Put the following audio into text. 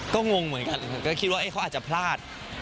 ก็งงเหมือนกันก็คิดว่าเขาอาจจะพลาด